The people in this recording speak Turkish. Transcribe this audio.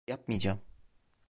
Yapmayacağım.